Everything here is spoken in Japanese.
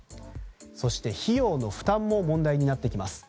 そして費用の負担も問題になってきます。